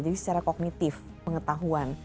jadi secara kognitif pengetahuan